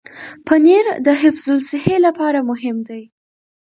پنېر د حفظ الصحې لپاره مهم دی.